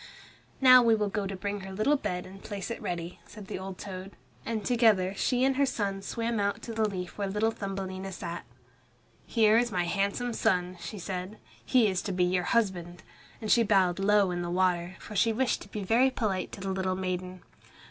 "Now we will go to bring her little bed and place it ready," said the old toad, and together she and her son swam out to the leaf where little Thumbelina sat. "Here is my handsome son," she said, "he is to be your husband," and she bowed low in the water, for she wished to be very polite to the little maiden.